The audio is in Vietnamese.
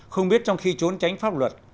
không biết trong khi trốn tránh pháp luật